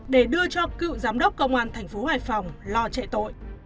để đưa cho cựu giám đốc công an thành phố hải phòng lo chạy tội